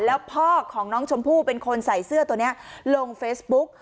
แล้วพ่อของน้องชมพู่เป็นคนใส่เสื้อตัวนี้ลงเฟซบุ๊ก